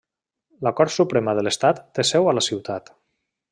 La cort suprema de l'estat té seu a la ciutat.